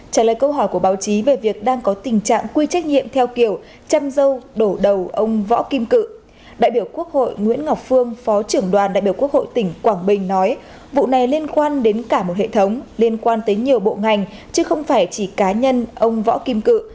trả lời câu hỏi của báo chí về việc đang có tình trạng quy trách nhiệm theo kiểu châm dâu đổ đầu ông võ kim cự đại biểu quốc hội nguyễn ngọc phương phó trưởng đoàn đại biểu quốc hội tỉnh quảng bình nói vụ này liên quan đến cả một hệ thống liên quan tới nhiều bộ ngành chứ không phải chỉ cá nhân ông võ kim cự